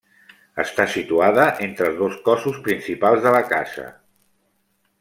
Està situada entre els dos cossos principals de la casa.